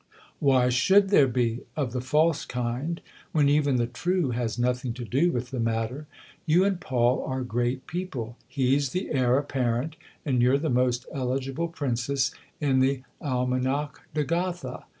"Why should there be, of the false kind, when THE OTHER HOUSE 171 even the true has nothing to do with the matter ? You and Paul are great people : he's the heir apparent and you're the most eligible princess in the Almanach de Gotha.